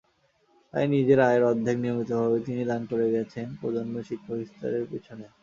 তাই নিজের আয়ের অর্ধেক নিয়মিতভাবে তিনি দান করে গেছেন প্রজন্মের শিক্ষাবিস্তারের পেছনে।